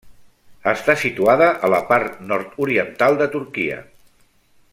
Està situada a la part nord-oriental de Turquia.